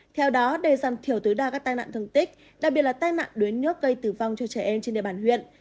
theo đó đề dặn thiểu tứ đa các tai nạn thương tích đặc biệt là tai nạn đuối nước gây tử vong cho trẻ em trên địa bàn huyện